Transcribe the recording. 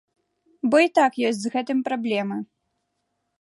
Бо і так ёсць з гэтым праблемы.